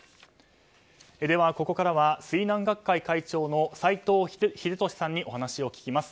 ではここからは水難学会会長の斎藤秀俊さんにお話を聞きます。